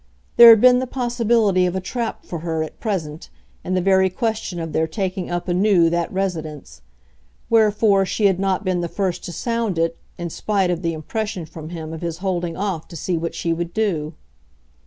There had been the possibility of a trap for her, at present, in the very question of their taking up anew that residence; wherefore she had not been the first to sound it, in spite of the impression from him of his holding off to see what she would do.